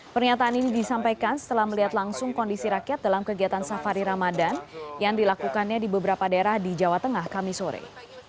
pernyataan ini disampaikan setelah melihat langsung kondisi rakyat dalam kegiatan safari ramadan yang dilakukannya di beberapa daerah di jawa tengah kamisore